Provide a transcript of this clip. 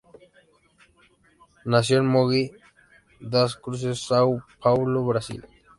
Nació en Mogi das Cruzes, São Paulo, Brasil.